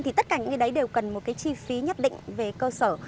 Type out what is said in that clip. thì tất cả những cái đấy đều cần một cái chi phí nhất định về cơ sở